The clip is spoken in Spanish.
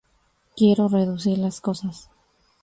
Quiero reducir las cosas".